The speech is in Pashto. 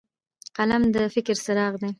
قلم د فکر څراغ دی